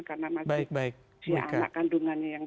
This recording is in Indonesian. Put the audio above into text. karena masih si anak kandungannya yang